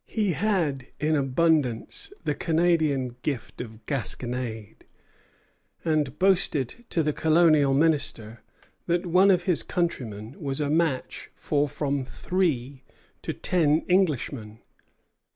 He had in abundance the Canadian gift of gasconade, and boasted to the Colonial Minister that one of his countrymen was a match for from three to ten Englishmen.